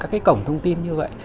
các cái cổng thông tin như vậy